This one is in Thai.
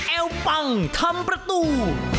เอวปังทำประตู